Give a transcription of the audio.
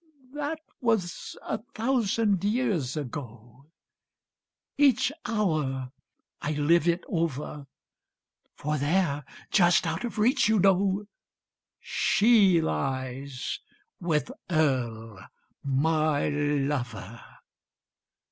That was a thousand years ago; Each hour I live it over, For there, just out of reach, you know, She lies, with Earl, my lover.